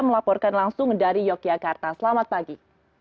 melaporkan langsung dari yogyakarta selamat pagi